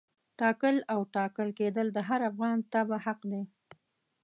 ټاکل او ټاکل کېدل د هر افغان تبعه حق دی.